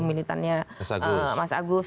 militannya mas agus